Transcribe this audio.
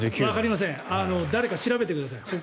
わかりませんだれか調べてください。